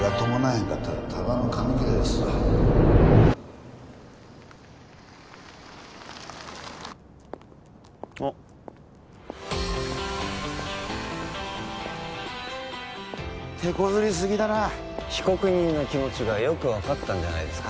へんかったらただの紙切れですわあってこずりすぎだな被告人の気持ちがよく分かったんじゃないですか？